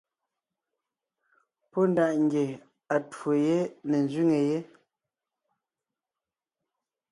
Pɔ́ ndaʼ ngie atwó yé ne ńzẅíŋe yé.